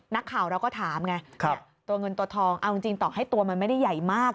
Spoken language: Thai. นักข่าวเราก็ถามไงตัวเงินตัวทองเอาจริงต่อให้ตัวมันไม่ได้ใหญ่มาก